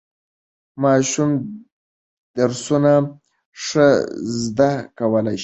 ماشوم درسونه ښه زده کولای نشي.